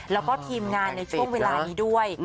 แล้วก็ทีมงานในช่วงเวลานี้ด้วย